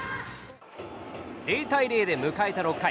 ０対０で迎えた６回。